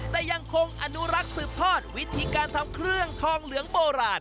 แต่ยังคงอนุรักษ์สืบทอดวิธีการทำเครื่องทองเหลืองโบราณ